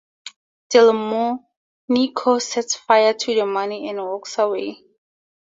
Delmonico sets fire to the money and walks away.